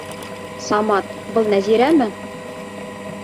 Самат, был Нәзирәме?